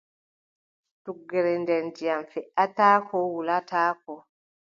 Tuggere nder ndiyam, feʼataako wulataako.